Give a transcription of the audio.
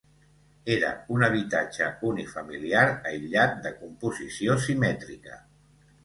Era un habitatge unifamiliar aïllat de composició simètrica.